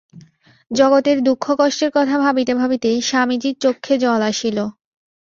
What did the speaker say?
জগতের দুঃখকষ্টের কথা ভাবিতে ভাবিতে স্বামীজীর চক্ষে জল আসিল।